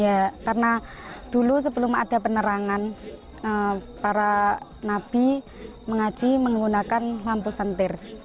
ya karena dulu sebelum ada penerangan para nabi mengaji menggunakan lampu sentir